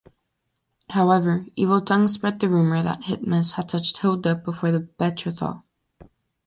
However, evil tongues spread the rumour that Hithinus had touched Hilda before the betrothal.